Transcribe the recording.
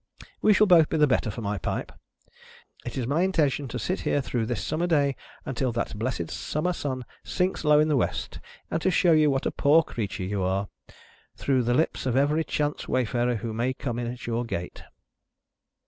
We shall both be the better for my pipe. It is my intention to sit here through this summer day, until that blessed summer sun sinks low in the west, and to show you what a poor creature you are, through the lips of every chance wayfarer who may come in at your gate."